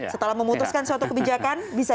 setelah memutuskan suatu kebijakan bisa